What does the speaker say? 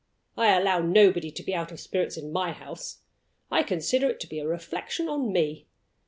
I allow nobody to be out of spirits in My house. I consider it to be a reflection on Me.